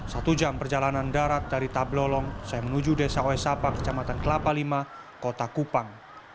satu jam perjalanan darat dari tablolong saya menuju desa oesapa kecamatan kelapa v kota kupang